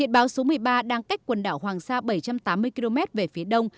bão số một mươi ba đang cách quần đảo hoàng sa bảy trăm tám mươi km về phía đông